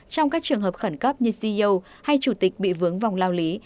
trong các trường hợp khẩn cấp như ceo hay chủ tịch bị vướng vòng lao lý